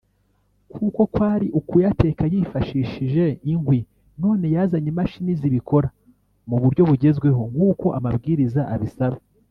kuko kwari ukuyateka yifashishije inkwi none yazanye imashini zibikora mu buryo bugezweho nk’uko amabwiriza abisaba